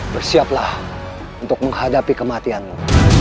bersiaplah untuk menghadapi kematianmu